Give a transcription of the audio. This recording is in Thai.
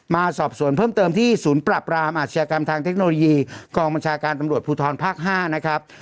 มาสอบสวนเพิ่มเติมที่ศูนย์ปรับรามอาชญากรรมทางเทคโนโลยีกองบัญชาการตำรวจภูทรภาค๕นะครับ